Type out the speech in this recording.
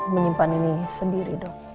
menyimpan ini sendiri dok